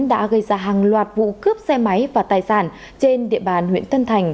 đã gây ra hàng loạt vụ cướp xe máy và tài sản trên địa bàn huyện tân thành